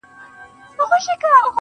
راته سور اور جوړ كړي تنور جوړ كړي~